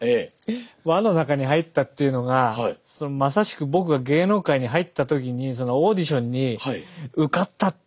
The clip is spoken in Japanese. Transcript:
輪の中に入ったっていうのがまさしく僕が芸能界に入った時にそのオーディションに受かったって。